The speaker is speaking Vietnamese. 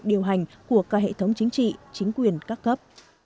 điều hành của cả hệ thống chính trị chính quyền các cấp